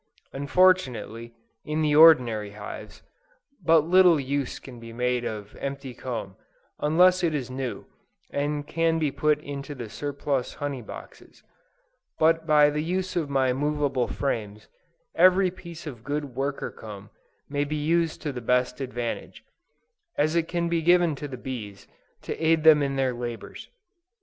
Unfortunately, in the ordinary hives, but little use can be made of empty comb, unless it is new, and can be put into the surplus honey boxes: but by the use of my movable frames, every piece of good worker comb may be used to the best advantage, as it can be given to the bees, to aid them in their labors.